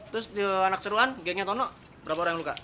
terus di anak seruan gengnya tono berapa orang yang luka